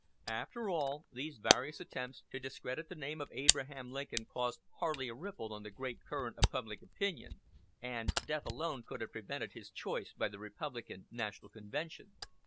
After all, these various attempts to discredit the name of Abraham Lincoln caused hardly a ripple on the great current of public opinion, and death alone could have prevented his choice by the Republican national convention.